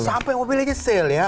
sampai mobil aja sale ya